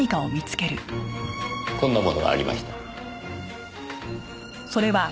こんなものがありました。